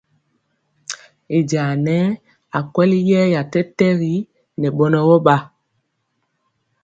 Y jaŋa nɛɛ akweli yeeya tɛtɛgi ŋɛ bɔnɔ wɔ bn.